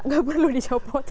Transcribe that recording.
enggak perlu dicopot